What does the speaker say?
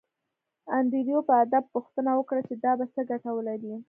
انډریو په ادب پوښتنه وکړه چې دا به څه ګټه ولري